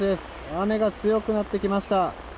雨が強くなってきました。